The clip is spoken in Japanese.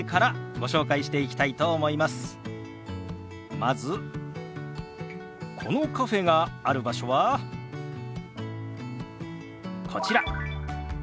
まずこのカフェがある場所はこちら。